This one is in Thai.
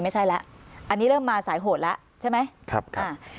ไม่ใช่แล้วอันนี้เริ่มมาสายโหดแล้วใช่ไหมครับอ่า